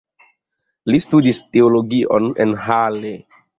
Li studis teologion en Halle.